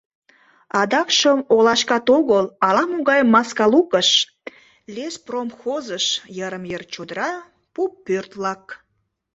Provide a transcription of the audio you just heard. Адакшым олашкат огыл, ала-могай маска лукыш — леспромхозыш, йырым-йыр чодра, пу пӧрт-влак.